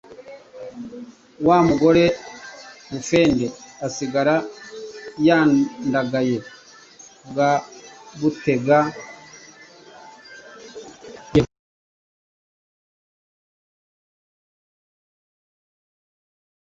wa Mugore Bufende asigara yandagaye bwa Butega bwa Rukindu